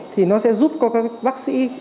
thì nó sẽ giúp các bác sĩ